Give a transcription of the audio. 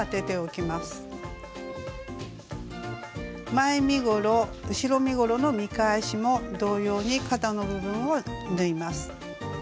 前身ごろ後ろ身ごろの見返しも同様に肩の部分を縫います。